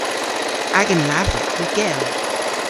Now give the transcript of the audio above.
Agan lavrek yw gell.